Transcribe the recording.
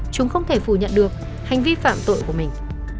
chúng không thể phủ nhận được hành vi phạm tội của mình